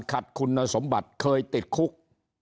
ขัดคุณสมบัติเคยติดคุก